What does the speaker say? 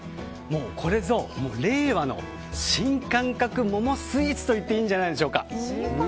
これぞ令和の新感覚桃スイーツといっていいんじゃないでしょうか。